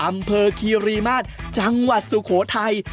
อำเภอคีรีมาศจังหวัดสุโขทัย